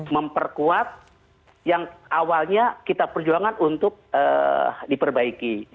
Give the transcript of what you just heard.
memperkuat yang awalnya kita perjuangkan untuk diperbaiki